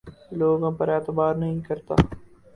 لوگوں پر اعتبار نہیں کرتا